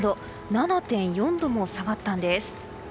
７．４度も下がったんです。